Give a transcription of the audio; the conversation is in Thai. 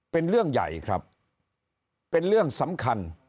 เป็นเรื่องใหญ่ครับเป็นเรื่องสำคัญ